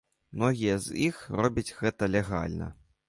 Многія з іх робяць гэта легальна.